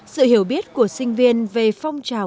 sự hiểu biết của sinh viên về phong trào